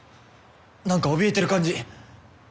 なんかおびえてる感じ。